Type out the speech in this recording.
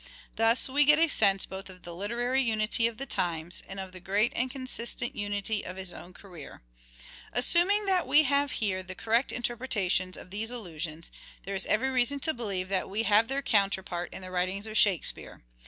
Thus we get a sense both of the literary unity of the times, and of the great and consistent unity of his own career. Assuming that we have here the correct interpreta Shakespeare tion of these allusions, there is every reason to believe and " wiu> that we have their counterpart in the writings of " Shakespeare."